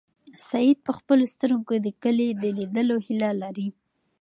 سعید په خپلو سترګو کې د کلي د لیدلو هیله لري.